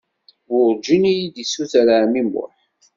Werǧin iyi-d-issuter ɛemmi Muḥ.